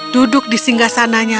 duduk di singgah sananya